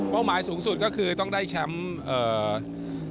เป้าหมายสูงสุดก็คือต้องได้แชมป์